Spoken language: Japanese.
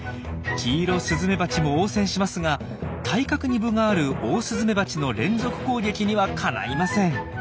キイロスズメバチも応戦しますが体格に分があるオオスズメバチの連続攻撃にはかないません。